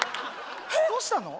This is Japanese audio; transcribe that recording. どうしたの？